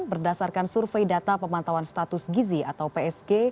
berdasarkan survei data pemantauan status gizi atau psg